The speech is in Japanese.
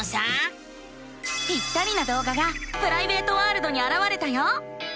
ぴったりなどうががプライベートワールドにあらわれたよ。